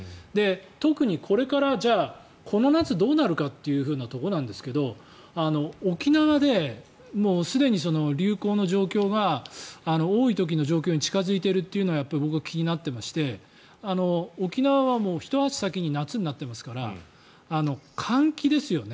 特にこれからじゃあ、この夏どうなるかっていうところなんですが沖縄で、すでに流行の状況が多い時の状況に近付いているというのは僕は気になっていまして沖縄はひと足先に夏になっていますから換気ですよね。